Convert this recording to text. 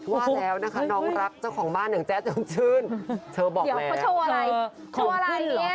ว่าแล้วนะคะน้องรักเจ้าของบ้านอย่างแจ๊ะจนชื่นเธอบอกแล้ว